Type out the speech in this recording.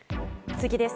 次です。